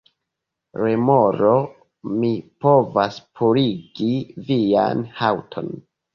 Remoro: "Mi povas purigi vian haŭton."